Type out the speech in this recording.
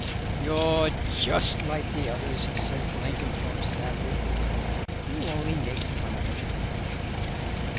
"You're just like the others," said Blenkinthrope sadly, "you only make fun of it."